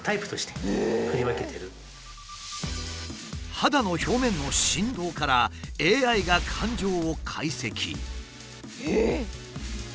肌の表面の振動からＡＩが感情を解析。